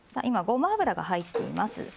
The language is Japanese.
今ごま油が入っています。